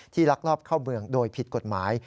ลักลอบเข้าเมืองโดยผิดกฎหมาย